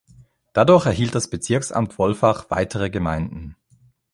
Dadurch erhielt das Bezirksamt Wolfach weitere Gemeinden.